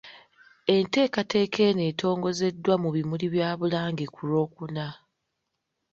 Enteekateeka eno etongozeddwa mu bimuli bya Bulange ku Lwokuna .